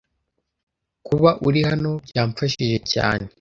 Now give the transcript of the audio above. Kuba uri hano byamfashije cyane.